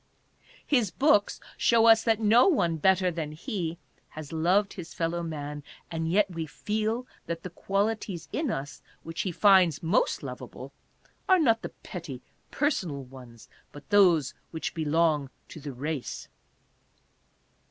His books show us that no one better than he has loved his fellow man, and yet we feel that the qualities in us which he finds most lovable are not the petty personal ones, but those which belong to the race.